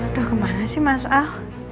aduh kemana sih mas ah